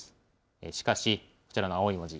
しかし、こちらの青い文字。